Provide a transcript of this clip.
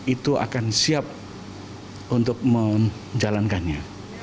itu akan siap untuk menjalankannya